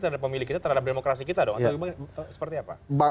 terhadap pemilik kita terhadap demokrasi kita